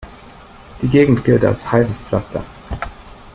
Die Gegend gilt als heißes Pflaster.